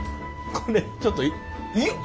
これちょっといい？